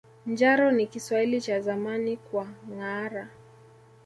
Njaro ni Kiswahili cha zamani kwa ngâara